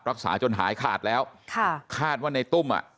รักษาจนหายขาดแล้วค่ะคาดว่าในตุ้มอ่ะ